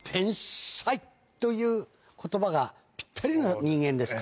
という言葉がぴったりな人間ですか。